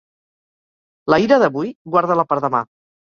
La ira d'avui, guarda-la per demà.